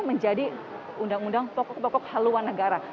menjadi undang undang pokok pokok haluan negara